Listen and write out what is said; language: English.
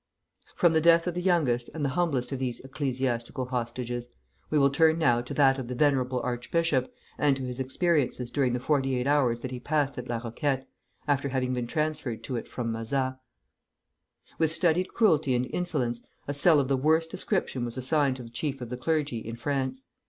From the death of the youngest and the humblest of these ecclesiastical hostages, we will turn now to that of the venerable archbishop, and to his experiences during the forty eight hours that he passed at La Roquette, after having been transferred to it from Mazas. With studied cruelty and insolence, a cell of the worst description was assigned to the chief of the clergy in France.